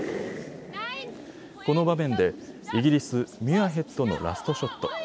この場面でイギリス、ミュアヘッドのラストショット。